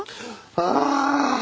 ああ！